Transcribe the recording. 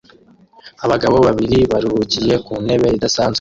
Abagabo babiri baruhukiye ku ntebe idasanzwe